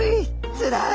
つらい！